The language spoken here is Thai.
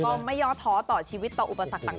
ร้านใหญ่มันกินเดินผ่านเขาก็นั่ง